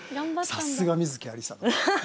さすが観月ありさ。